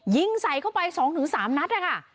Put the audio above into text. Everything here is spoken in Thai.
ยิงใส่เข้าไป๒๓นัดนะคะ